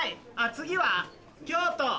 次は京都。